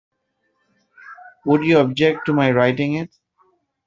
Would you object to my writing it?